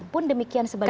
pun demikian sebaliknya